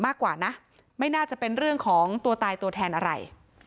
มากกว่านะไม่น่าจะเป็นเรื่องของตัวตายตัวแทนอะไร